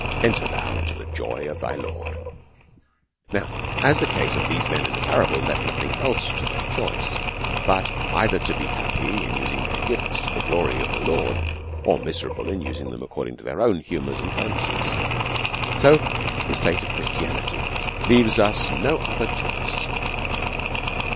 enter thou into the joij of thy Lord. Now, as the case of these men in the parable left nothing else to their choice but either to be happy in using their gifts to the glory of the Lord, or miserable by using them according to their own humours and fancies, so the state of Christianity leaves us no other choice.